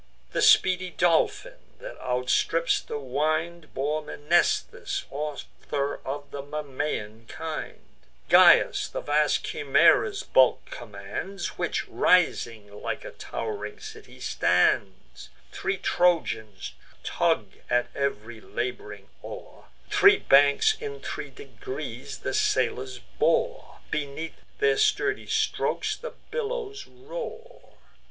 The speedy Dolphin, that outstrips the wind, Bore Mnestheus, author of the Memmian kind: Gyas the vast Chimaera's bulk commands, Which rising, like a tow'ring city stands; Three Trojans tug at ev'ry lab'ring oar; Three banks in three degrees the sailors bore; Beneath their sturdy strokes the billows roar.